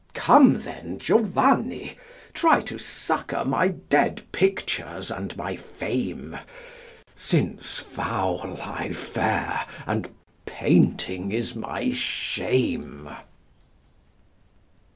Come then, Giovanni, try To succour my dead pictures and my fame; Since foul I fare and painting is my shame.